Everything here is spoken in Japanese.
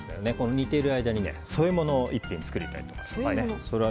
煮ている間に添え物を一品作りたいと思います。